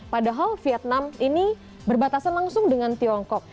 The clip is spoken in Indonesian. padahal vietnam ini berbatasan langsung dengan tiongkok